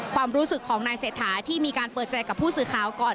ความรู้สึกของนายเศรษฐาที่มีการเปิดใจกับผู้สื่อข่าวก่อน